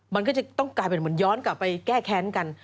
มันก็จะต้องกลายเป็นเหมือนย้อนกลับไปแก้แค้นกัน